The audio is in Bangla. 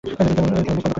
তোমার মুখ বন্ধ কর।